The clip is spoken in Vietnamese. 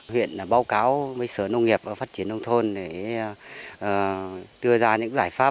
huyện báo cáo với sở nông nghiệp phát triển đông thôn